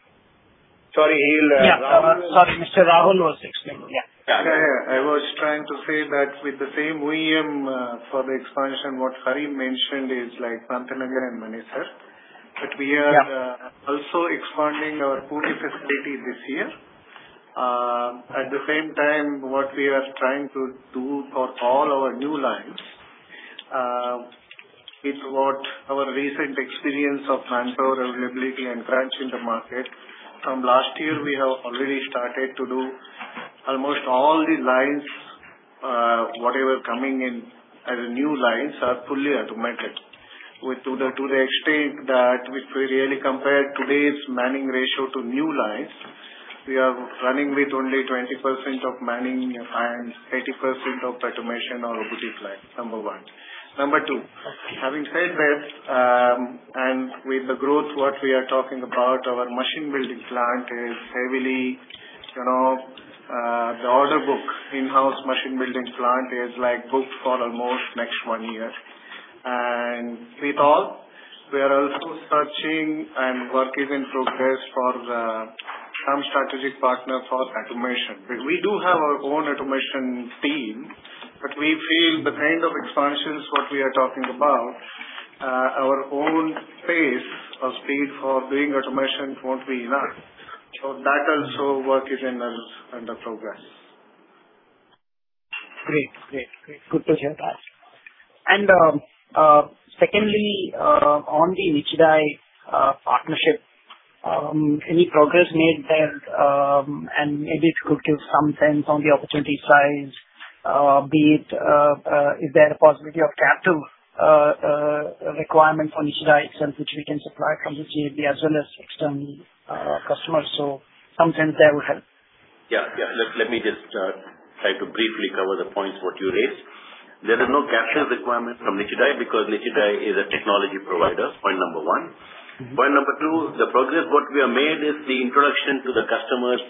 Sorry. Yeah. Sorry, Mr. Rahul was next. Yeah. Yeah. I was trying to say that with the same OEM for the expansion, what Hari mentioned is like Pantnagar and Manesar. Yeah also expanding our Pune facility this year. At the same time, what we are trying to do for all our new lines, with what our recent experience of manpower availability and churn in the market, from last year, we have already started to do almost all the lines, whatever coming in as new lines, are fully automated to the extent that if we really compare today's manning ratio to new lines, we are running with only 20% of manning and 80% of automation or robotic line, number one. Number two, with the growth, what we are talking about, the order book in-house machine building plant is booked for almost next one year. With all, we are also searching and work is in progress for some strategic partner for automation. We do have our own automation team, but we feel the kind of expansions what we are talking about, our own pace or speed for doing automation won't be enough. That also work is under progress. Great. Good to hear that. Secondly, on the Nichidai partnership, any progress made there? Maybe if you could give some sense on the opportunity size, be it, is there a possibility of capital requirement from Nichidai itself, which we can supply from the JV as well as external customers? Some sense there would help. Yeah. Let me just try to briefly cover the points what you raised. There is no capital requirement from Nichidai because Nichidai is a technology provider, point number one. Point number two, the progress what we have made is the introduction to the customers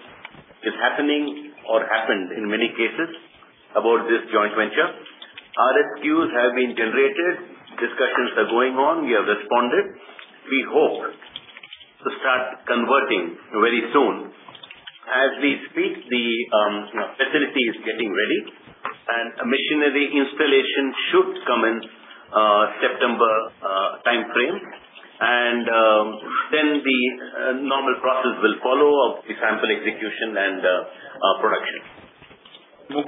is happening or happened in many cases about this joint venture. RFQs have been generated, discussions are going on. We have responded. We hope to start converting very soon. As we speak, the facility is getting ready, and machinery installation should come in September timeframe. The normal process will follow of the sample execution and production. Yeah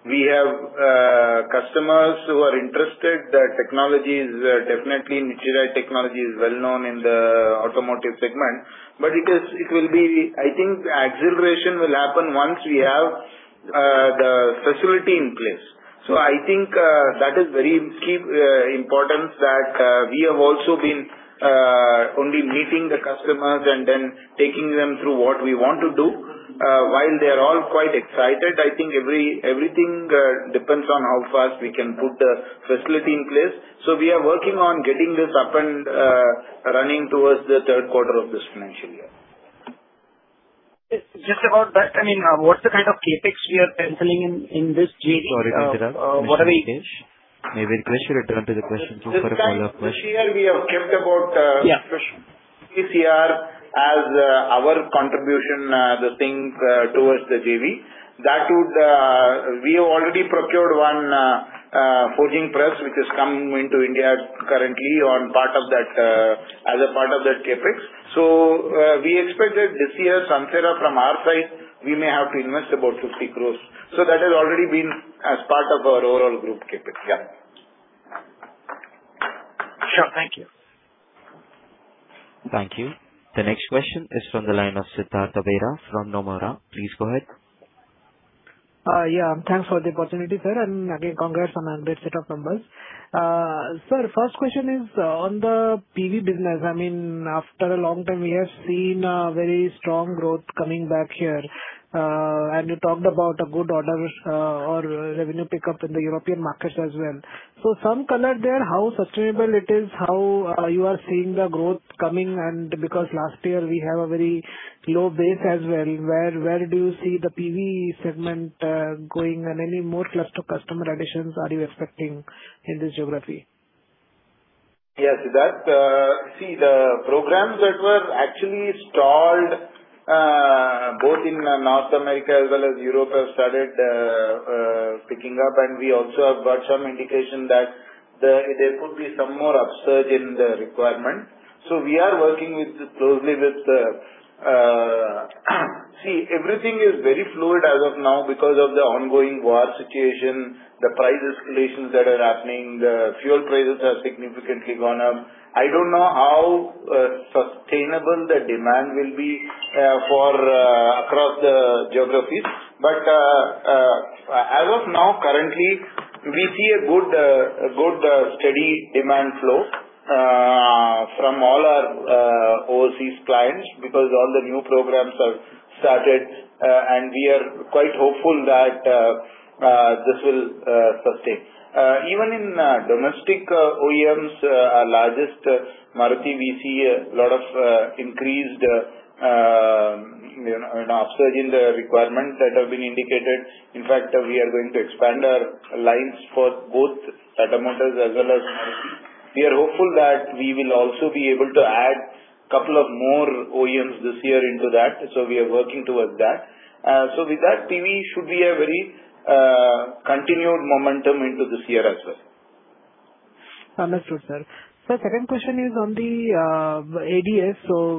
We have customers who are interested. Nichidai technology is well known in the automotive segment. I think acceleration will happen once we have the facility in place. I think that is very important that we have also been only meeting the customers and then taking them through what we want to do. They are all quite excited. I think everything depends on how fast we can put the facility in place. We are working on getting this up and running towards the third quarter of this financial year. Just about that, what's the kind of CapEx we are penciling in this JV? Sorry to interrupt, Mr. Mukesh. May we request you to turn to the question for a follow-up? This year we have kept about. Yeah This year as our contribution, the thing towards the JV. We have already procured one forging press, which has come into India currently as a part of that CapEx. We expect that this year, Sansera from our side, we may have to invest about 50 crores. That has already been as part of our overall group CapEx. Yeah. Sure. Thank you. Thank you. The next question is from the line of Siddhartha Bera from Nomura. Please go ahead. Yeah. Thanks for the opportunity, sir. Again, congrats on that great set of numbers. Sir, first question is on the PV business. After a long time, we have seen a very strong growth coming back here. You talked about a good order or revenue pickup in the European markets as well. Some color there, how sustainable it is, how you are seeing the growth coming, and because last year we have a very low base as well, where do you see the PV segment going, and any more cluster customer additions are you expecting in this geography? Yes. The programs that were actually stalled both in North America as well as Europe have started picking up. We also have got some indication that there could be some more upsurge in the requirement. We are working closely. Everything is very fluid as of now because of the ongoing war situation, the price escalations that are happening, the fuel prices have significantly gone up. I don't know how sustainable the demand will be across the geographies. As of now, currently, we see a good steady demand flow from all our overseas clients because all the new programs have started. We are quite hopeful that this will sustain. Even in domestic OEMs, our largest, Maruti, an upsurge in the requirement that has been indicated. In fact, we are going to expand our lines for both Tata Motors as well as Maruti. We are hopeful that we will also be able to add a couple of more OEMs this year into that, so we are working towards that. With that, PV should be a very continued momentum into this year as well. Understood, sir. Second question is on the ADS.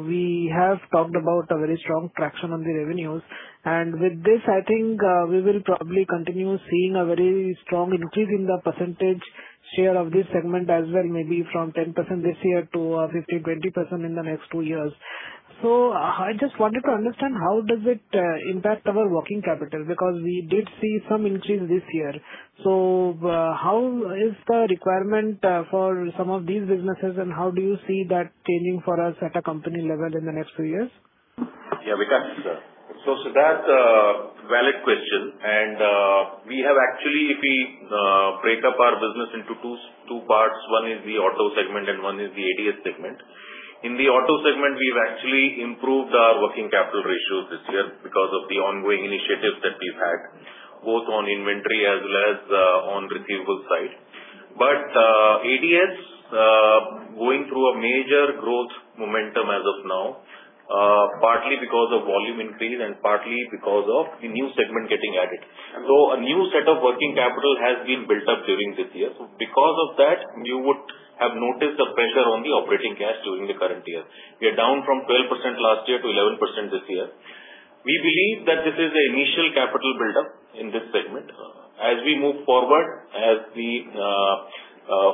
We have talked about a very strong traction on the revenues, and with this, I think we will probably continue seeing a very strong increase in the percentage share of this segment as well, maybe from 10% this year to 15%-20% in the next two years. I just wanted to understand how does it impact our working capital? Because we did see some increase this year. How is the requirement for some of these businesses and how do you see that changing for us at a company level in the next few years? Yeah, Vikas sir. Siddharth, valid question, and we have actually, if we break up our business into two parts, one is the auto segment and one is the ADS segment. In the auto segment, we've actually improved our working capital ratios this year because of the ongoing initiatives that we've had, both on inventory as well as on receivable side. ADS, going through a major growth momentum as of now, partly because of volume increase and partly because of the new segment getting added. A new set of working capital has been built up during this year. Because of that, you would have noticed a pressure on the operating cash during the current year. We are down from 12% last year to 11% this year. We believe that this is the initial capital buildup in this segment. As we move forward, as the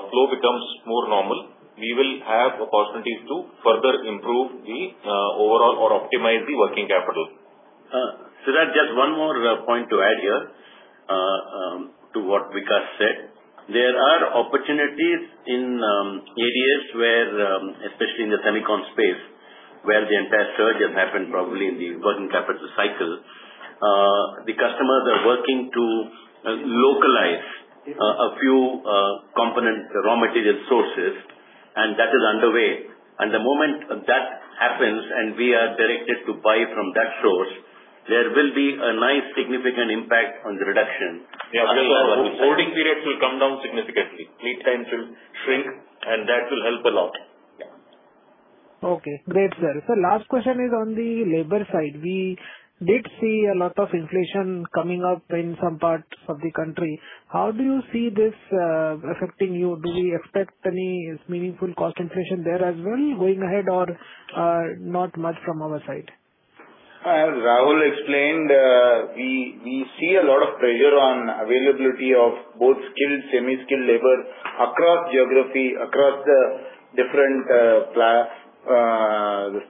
flow becomes more normal, we will have opportunities to further improve the overall or optimize the working capital. Siddhartha, just one more point to add here to what Vikas said. There are opportunities in ADS where, especially in the Semicon space, where the entire surge has happened probably in the working capital cycle. The customers are working to localize a few component raw material sources, and that is underway. The moment that happens and we are directed to buy from that source, there will be a nice significant impact on the reduction. Yeah. Holding periods will come down significantly, lead times will shrink, and that will help a lot. Yeah. Okay, great, sir. Sir, last question is on the labor side. We did see a lot of inflation coming up in some parts of the country. How do you see this affecting you? Do we expect any meaningful cost inflation there as well going ahead or not much from our side? As Rahul explained, we see a lot of pressure on availability of both skilled, semi-skilled labor across geography, across different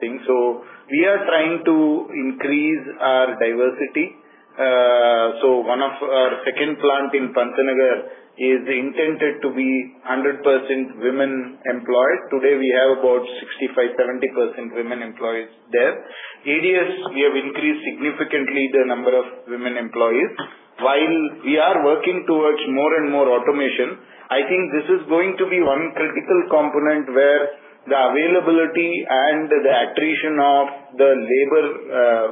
things. We are trying to increase our diversity. One of our second plant in Pantnagar is intended to be 100% women employed. Today, we have about 65%-70% women employees there. ADS, we have increased significantly the number of women employees. While we are working towards more and more automation, I think this is going to be one critical component where the availability and the attrition of the labor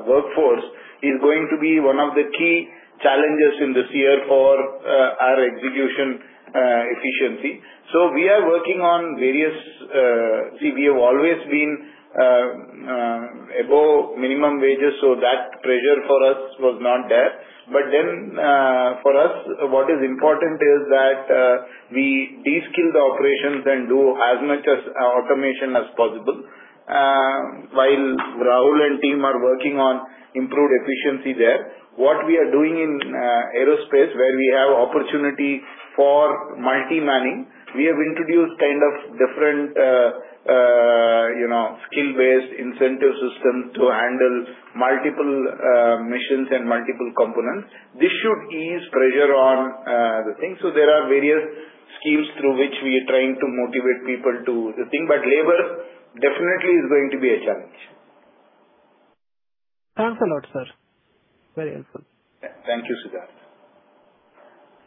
workforce is going to be one of the key challenges in this year for our execution efficiency. We are working on. See, we have always been above minimum wages, that pressure for us was not there. For us, what is important is that we de-skill the operations and do as much as automation as possible. While Rahul and team are working on improved efficiency there, what we are doing in aerospace, where we have opportunity for multi-manning, we have introduced kind of different skill-based incentive systems to handle multiple missions and multiple components. This should ease pressure on the thing. There are various schemes through which we are trying to motivate people to the thing, but labor definitely is going to be a challenge. Thanks a lot, sir. Very helpful. Thank you, Siddhartha.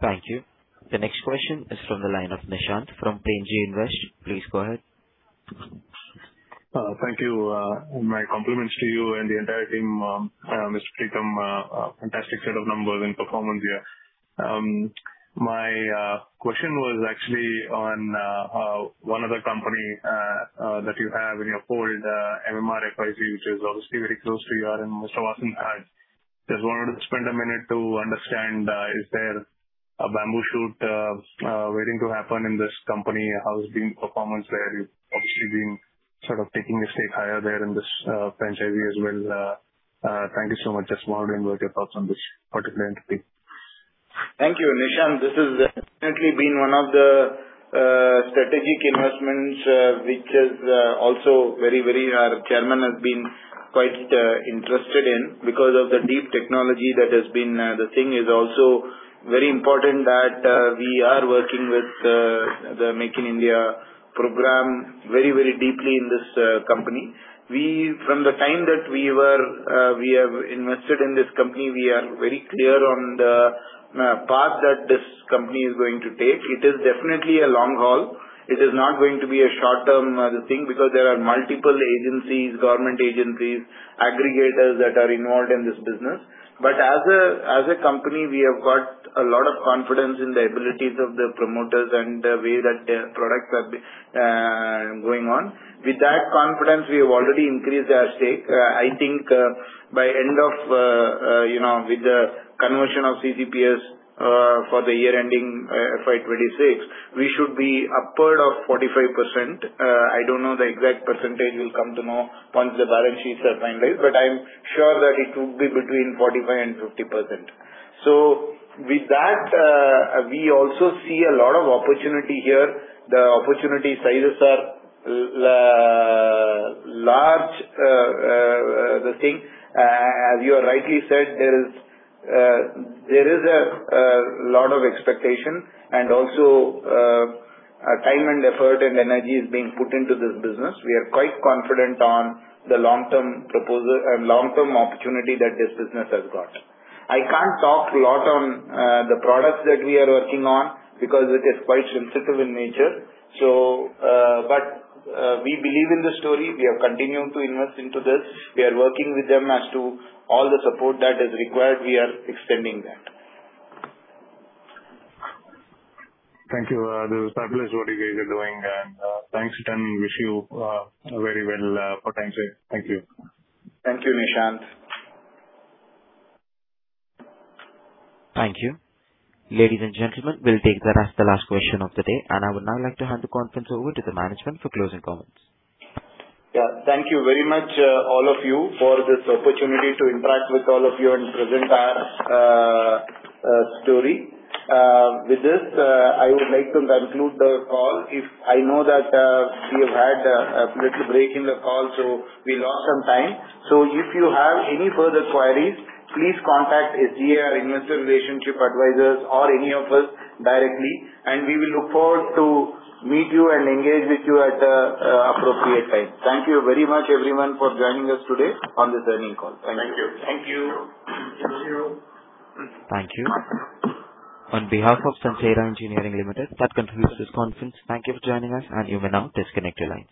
Thank you. The next question is from the line of Nishant from P&G Invest. Please go ahead. Thank you. My compliments to you and the entire team, Mr. Preetham. Fantastic set of numbers and performance here. My question was actually on one other company that you have in your fold, MMRFIC, which is obviously very close to your and Mr. Vasan's heart. Just wanted to spend a minute to understand, is there a bamboo shoot waiting to happen in this company? How's been performance there? You've obviously been sort of taking a stake higher there in this franchise as well. Thank you so much. Just wanted to know your thoughts on this particular entity. Thank you, Nishant. This has definitely been one of the strategic investments which our chairman has been quite interested in because of the deep technology that has been the thing is also very important that we are working with the Make in India Program very deeply in this company. From the time that we have invested in this company, we are very clear on the path that this company is going to take. It is definitely a long haul. It is not going to be a short-term thing because there are multiple agencies, government agencies, aggregators that are involved in this business. As a company, we have got a lot of confidence in the abilities of the promoters and the way that their products are going on. With that confidence, we have already increased our stake. I think by end of with the conversion of CCPS for the year ending FY 2026, we should be upward of 45%. I don't know the exact percentage. We'll come to know once the balance sheets are finalized, I'm sure that it would be between 45% and 50%. With that, we also see a lot of opportunity here. The opportunity sizes are large. As you rightly said, there is a lot of expectation and also time and effort and energy is being put into this business. We are quite confident on the long-term opportunity that this business has got. I can't talk a lot on the products that we are working on because it is quite sensitive in nature. But we believe in the story. We are continuing to invest into this. We are working with them as to all the support that is required, we are extending that. Thank you. This is fabulous what you guys are doing and thanks, and wish you very well for times ahead. Thank you. Thank you, Nishant. Thank you. Ladies and gentlemen, we'll take that as the last question of the day. I would now like to hand the conference over to the management for closing comments. Yeah. Thank you very much, all of you, for this opportunity to interact with all of you and present our story. With this, I would like to conclude the call. I know that we have had a little break in the call, so we lost some time. If you have any further queries, please contact SGA or Investor Relations Advisors or any of us directly, and we will look forward to meet you and engage with you at the appropriate time. Thank you very much everyone for joining us today on this earnings call. Thank you. Thank you. Thank you. On behalf of Sansera Engineering Limited, that concludes this conference. Thank you for joining us, and you may now disconnect your line.